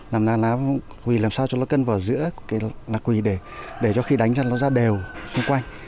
làm ra lá quỳ làm sao cho nó cân vào giữa cái quỳ để cho khi đánh ra nó ra đều xung quanh